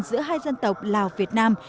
giữa hai dân tộc lào việt nam